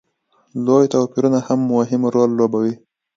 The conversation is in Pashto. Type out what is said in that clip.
لوی توپیرونه هم مهم رول لوبوي.